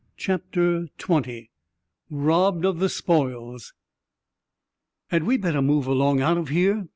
CHAPTER XX ROBBED OF THE SPOILS "Had we better move along out of here?"